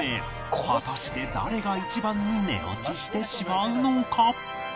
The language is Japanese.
果たして誰が一番に寝落ちしてしまうのか？